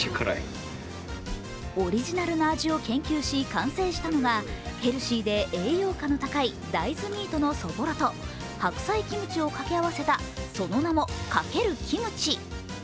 オリジナルの味を研究し、完成したのがヘルシーで栄養価の高い大豆ミートのそぼろと白菜キムチを掛け合わせた、その名も×キムチ。